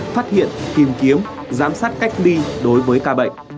phát hiện tìm kiếm giám sát cách ly đối với ca bệnh